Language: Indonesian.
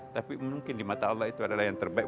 tapi mungkin di mata allah itu adalah yang terbaik